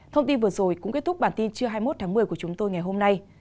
thông tin vừa rồi cũng kết thúc bản tin trưa hai mươi một tháng một mươi của chúng tôi ngày hôm nay